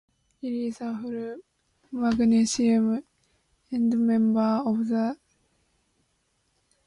It is the full magnesium endmember of the series.